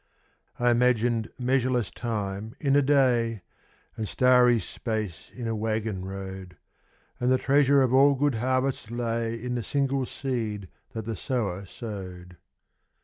I imagined measureless time in a day, And starry space in a waggon road, And the treasure of all good harvests lay In the single seed that the sower sowed.